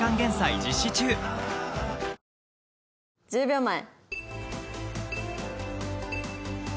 １０秒前。